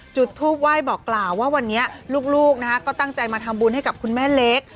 จุดทูปไหว้บอกกล่าวว่าวันนี้ลูกก็ตั้งใจมาทำบุญให้กับคุณแม่เล็ก